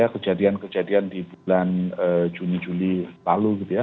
kejadian kejadian di bulan juni juli lalu gitu ya